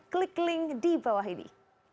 klik link di bawah ini